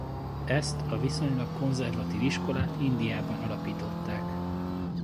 Ezt a viszonylag konzervatív iskolát Indiában alapították.